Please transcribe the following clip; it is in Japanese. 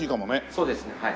そうですねはい。